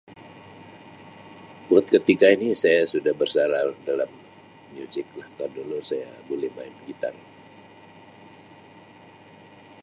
Buat ketika ini saya sudah bersara dalam muzik lah, kan dulu saya boleh main gitar.